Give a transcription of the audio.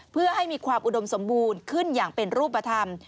เพื่อให้มีความอุดมสมบูรณ์ขึ้นอย่างเป็นรูปธรรม